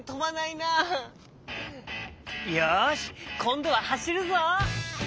よしこんどははしるぞ！